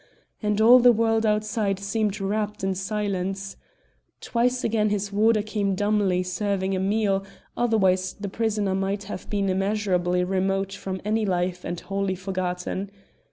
And all the world outside seemed wrapped in silence. Twice again his warder came dumbly serving a meal, otherwise the prisoner might have been immeasurably remote from any life and wholly forgotten.